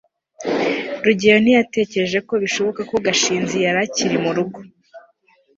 rugeyo ntiyatekereje ko bishoboka ko gashinzi yari akiri murugo